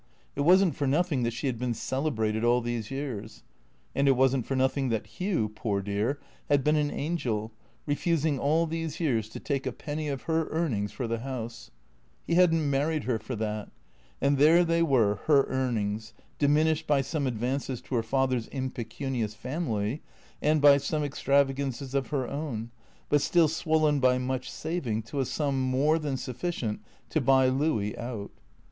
It was n't for nothing that she had been celebrated all these years. And it was n't for nothing that Hugh, poor dear, had been an angel, refusing all these years to take a penny of her earnings for the house. Pie hadn't married her for that. And there they were, her earnings, diminished by some advances to her father's impecunious family, and by some extravagances of her own, but still swollen by much saving to a sum more than suf ficient to buy Louis out.